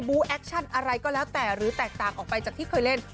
แอคชั่นอะไรก็แล้วแต่หรือแตกต่างออกไปจากที่เคยเล่น